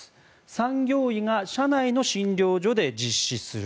産業医が社内の診療所で実施する。